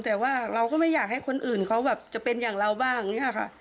แต่ว่าเราก็ไม่อยากให้คนอื่นเขาแบบจะเป็นอย่างเราบ้างอย่างนี้ค่ะ